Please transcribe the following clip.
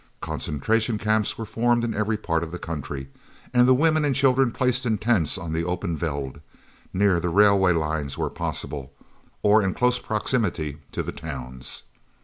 Concentration Camps were formed in every part of the country, and the women and children placed in tents on the open veld, near the railway lines where possible, or in close proximity to the towns.